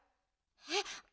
えっ。